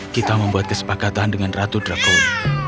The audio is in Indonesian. kita membuat kesepakatan dengan ratu dragon